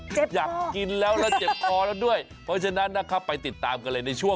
คือแบบน้ำมะนาวเค้าสดแล้วมันเปรี้ยว